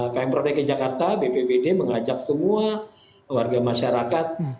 pemprov dki jakarta bppd mengajak semua warga masyarakat